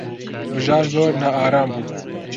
بژار زۆر نائارام بوو.